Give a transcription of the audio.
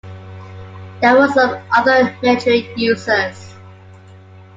There were some other military users.